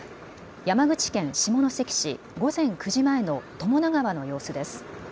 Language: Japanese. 山口県下関市、午前９時前の友田川の様子です。